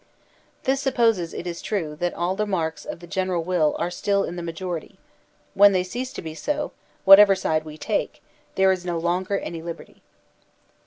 This supposes, it is true, that all the marks of the gen eral will are still in the majority; when they cease to be so, whatever side we take, there is no longer any liberty.